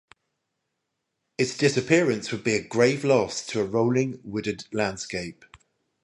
Its disappearance would be a grave loss to a rolling wooded landscape.